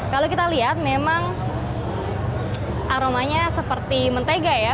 kalau kita lihat memang aromanya seperti mentega ya